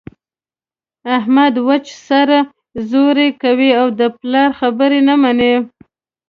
احمد وچه سر زوري کوي او د پلار خبره نه مني.